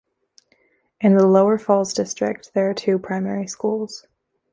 In the Lower Falls district there are two primary schools.